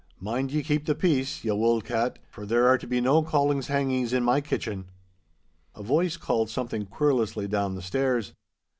'Mind ye keep the peace, ye wull cat, for there are to be no collieshangies in my kitchen!' A voice called something querulously down the stairs.